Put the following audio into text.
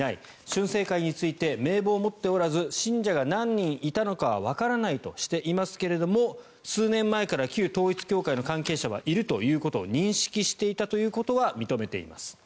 俊世会について名簿を持っておらず信者が何人いたのかはわからないとしていますが数年前から旧統一教会の関係者はいるということを認識していたということは認めています。